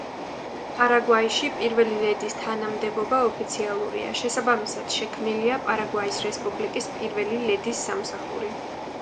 პარაგვაიში, პირველი ლედის თანამდებობა ოფიციალურია, შესაბამისად, შექმნილია პარაგვაის რესპუბლიკის პირველი ლედის სამსახური.